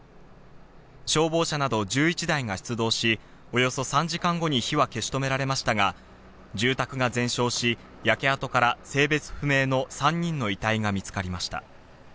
消防車など１１台が出動し、およそ３時間後に火は消し止められましたが、住宅が全焼し、焼け跡から性別不明の３人の遺体が見つかりました。